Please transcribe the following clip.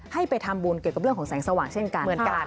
ให้ไปทำบุญเกี่ยวกับเรื่องของแสงสว่างเช่นกัน